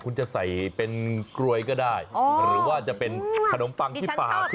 คุณจะใส่เป็นกลวยก็ได้หรือว่าจะเป็นขนมปังที่ปาก